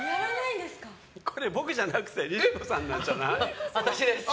これ僕じゃなくてＬｉＬｉＣｏさんなんじゃない？